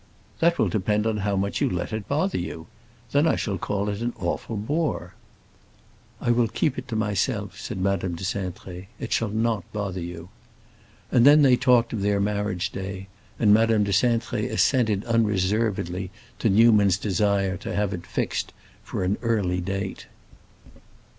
"That will depend upon how much you let it bother you. Then I shall call it an awful bore." "I will keep it to myself," said Madame de Cintré, "It shall not bother you." And then they talked of their marriage day, and Madame de Cintré assented unreservedly to Newman's desire to have it fixed for an early date.